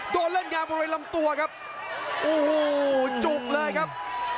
โดนเล่นยาบริเวณลำตัวครับโอ้โหจุกเลยครับ